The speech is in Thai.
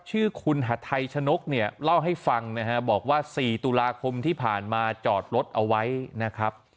ชื่อคุณหัดไทยชนกเนี่ยเล่าให้ฟังนะฮะบอกว่า๔ตุลาคมที่ผ่านมาจอดรถเอาไว้นะครับ